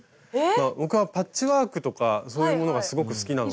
僕はパッチワークとかそういうものがすごく好きなので。